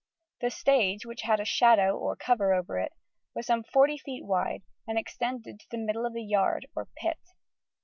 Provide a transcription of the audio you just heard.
The stage, which had a "shadow" or cover over it, was some 40 ft. wide and extended to the middle of the yard or pit.